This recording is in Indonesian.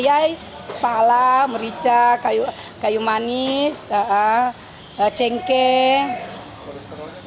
ya kepala merica kayu manis cengkeh